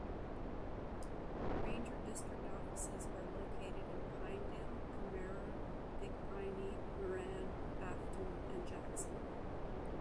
Ranger district offices are located in Pinedale, Kemmerer, Big Piney, Moran, Afton and Jackson.